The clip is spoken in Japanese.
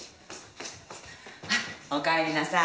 あっおかえりなさい。